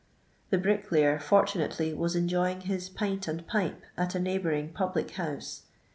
The brick layer fortunately was enjoying his "pint and pipe" at a neighbouring public house.